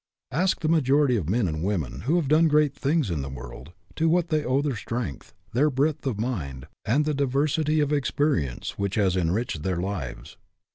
Ask the majority of men and women who have done great things in the world, to what they owe their strength, their breadth of mind, and the diversity of experience which has en riched their lives.